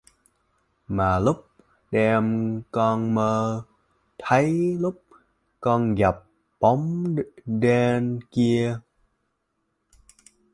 Mà lúc đêm con mơ thấy lúc con gặp bóng đen kia